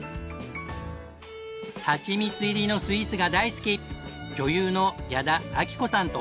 はちみつ入りのスイーツが大好き女優の矢田亜希子さんと。